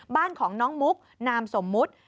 บ้านของน้องมุกนามสมมุติ